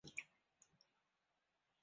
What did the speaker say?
县治位于斯卡杜。